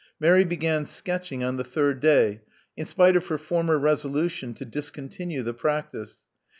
Mary began sketching on the third day, in spite of her former resolution to discontinue the practice.